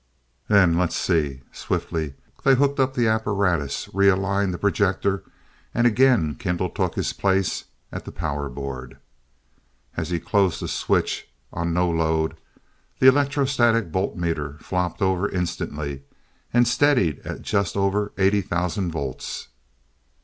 "Then let's see." Swiftly they hooked up the apparatus, realigned the projector, and again Kendall took his place at the power board. As he closed the switch, on no load, the electrostatic voltmeter flopped over instantly, and steadied at just over 80,000 volts.